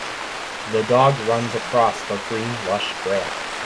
The dog runs across the green lush grass.